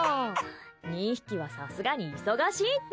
２匹はさすがに忙しいって。